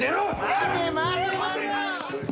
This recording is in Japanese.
待て待て待て！